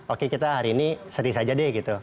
oke kita hari ini seri saja deh gitu